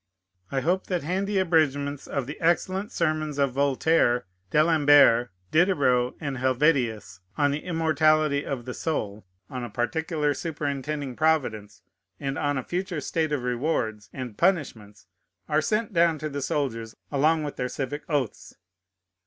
I hope that handy abridgments of the excellent sermons of Voltaire, D'Alembert, Diderot, and Helvétius, on the Immortality of the Soul, on a Particular Superintending Providence, and on a Future State of Rewards and Punishments, are sent down to the soldiers along with their civic oaths.